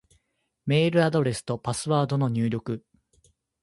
メールアドレスとパスワードの入力